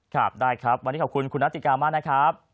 ครับได้ครับวันนี้ขอบคุณคุณนาติกามากนะครับ